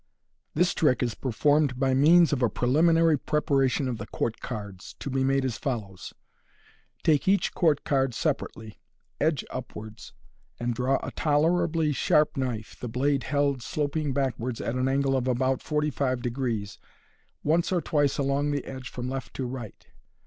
— This trick is performed by means of a preliminary' preparation of the court cards, to be made as follows : Take each court card separately, edge up wards, and draw a tolerably sharp knife, the blade held sloping back wards at an angle of about 45*, once or twice along the edge from left to right.